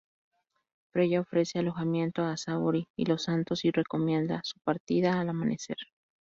Freya ofrece alojamiento a Saori y los Santos y recomienda su partida al amanecer.